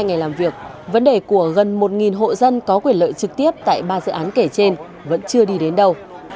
ngày làm việc vấn đề của gần một hộ dân có quyền lợi trực tiếp tại ba dự án kể trên vẫn chưa đi đến đâu